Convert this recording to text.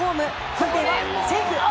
判定はセーフ。